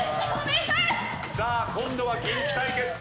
さあ今度はキンキ対決。